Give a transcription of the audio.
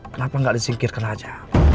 kenapa gak disingkirkan aja